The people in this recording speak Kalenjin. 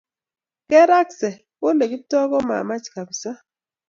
Kerakse kole Kiptoo komamach kapisa